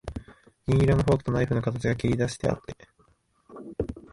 銀色のフォークとナイフの形が切りだしてあって、